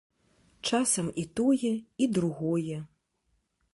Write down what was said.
Часам і тое, і другое.